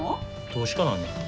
投資家なんねん。